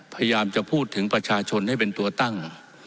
พยายามจะพูดถึงประชาชนให้เป็นตัวตั้ง